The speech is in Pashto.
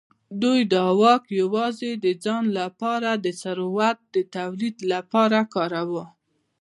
دوی دا واک یوازې د ځان لپاره د ثروت د تولید لپاره کاروي.